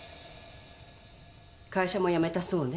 会社も辞めたそうね。